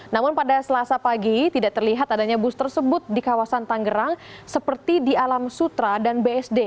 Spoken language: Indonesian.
namun pada selasa pagi tidak terlihat adanya bus tersebut di kawasan tanggerang seperti di alam sutra dan bsd